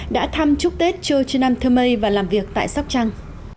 đã thăm chúc tết chorchnam thơm mây và làm việc tại sóc trăng